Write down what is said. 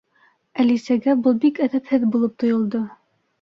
Әлисәгә был бик әҙәпһеҙ булып тойолдо.